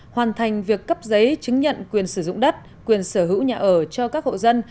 hoàn thành việc cấp giấy chứng nhận quyền sử dụng đất quyền sở hữu nhà ở cho các hộ dân